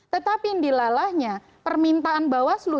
tetapi dilalahnya permintaan bawaslu